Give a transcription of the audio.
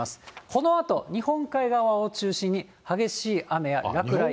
このあと日本海側を中心に、激しい雨や落雷。